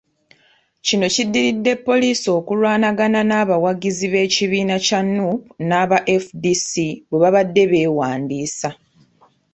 Kino kiddiridde poliisi okulwanagana n'abawagizi b'ekibiina kya Nuupu n'aba FDC bwebabadde beewandiisa.